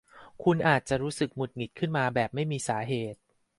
คนอาจจะรู้สึกหงุดหงิดขึ้นมาแบบไม่มีสาเหตุ